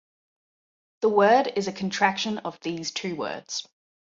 The word is a contraction of these two words.